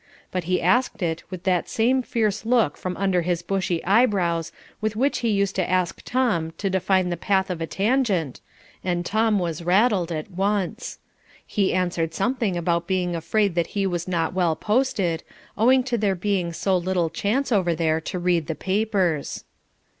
But he asked it with that same fierce look from under his bushy eyebrows with which he used to ask Tom to define the path of a tangent, and Tom was rattled at once. He answered something about being afraid that he was not well posted, owing to there being so little chance over there to read the papers.